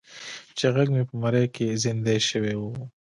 چې غږ مې په مرۍ کې زیندۍ شوی و.